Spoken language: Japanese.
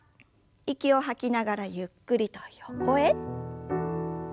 息を吐きながらゆっくりと横へ。